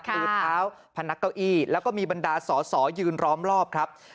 มือเท้าพนักเก้าอี้แล้วก็มีบรรดาสอสอยืนล้อมรอบครับ